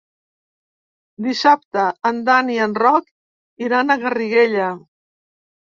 Dissabte en Dan i en Roc iran a Garriguella.